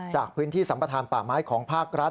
จากพื้นที่สัมประธานป่าไม้ของภาครัฐ